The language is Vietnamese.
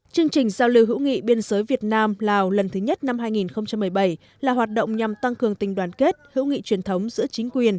chương trình giao lưu hữu nghị biên giới việt nam lào lần thứ nhất năm hai nghìn một mươi bảy là hoạt động nhằm tăng cường tình đoàn kết hữu nghị truyền thống giữa chính quyền